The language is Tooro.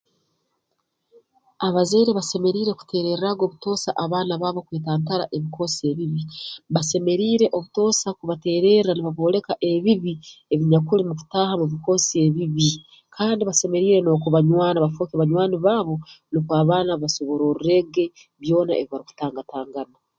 Abazaire basemeriire kuteererraaga obutoosa abaana baabo kwetantara ebikoosi ebibi basemeriire obutoosa kubateererra nibabooleka ebibi ebinyakuli mu kutaaha mu bikoosi ebibi kandi basemeriire n'okubanywana bafooke banywani baabo nukwo abaana basobororreege byona ebi barukutangatangana